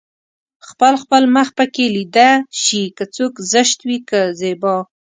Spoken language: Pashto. خپل خپل مخ پکې ليده شي که څوک زشت وي که زيبا